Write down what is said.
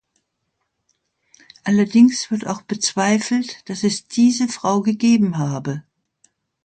Allerdings wird auch bezweifelt, dass es diese Frau gegeben habe.